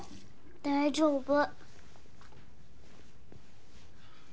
大丈夫。